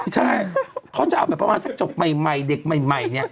ใช่เขาจะเอาแบบประมาณสักจบใหม่เด็กใหม่เนี่ย